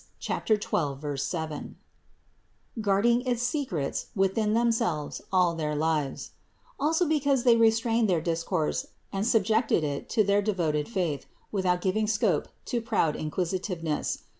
12, 7), guarding its secrets within themselves all their lives; also because they restrained their discourse and subjected it to their devoted faith, without giving scope to proud inquisitiveness.